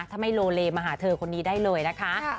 ถ้าไม่โลเลมาหาเธอคนนี้ได้เลยนะคะ